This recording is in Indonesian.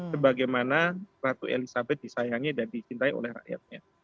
sebagaimana ratu elizabeth disayangi dan dicintai oleh rakyatnya